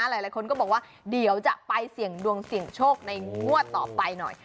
หลายคนก็บอกว่าเดี๋ยวจะไปเสี่ยงดวงเสี่ยงโชคในงวดต่อไปหน่อย